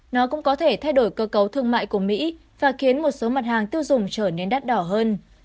nó cũng có thể thay đổi cơ cấu thương mại của mỹ và khiến một số mặt hàng tiêu dùng trở nên đắt đỏ hơn